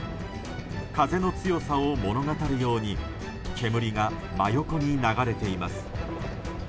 風の強さを物語るように煙が真横に流れています。